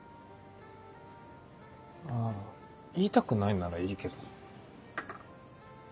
あ言いたくないならいいけど。